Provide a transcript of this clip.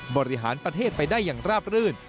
บริหารประเทศไปได้อย่างราบรื่น